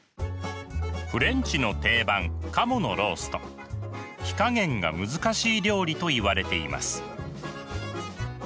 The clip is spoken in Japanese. フレンチの定番火加減が難しい料理といわれています。